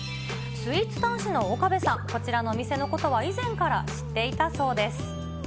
スイーツ男子の岡部さん、こちらのお店のことは以前から知っていたそうです。